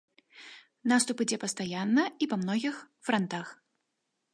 Наступ ідзе пастаянна і па многіх франтах.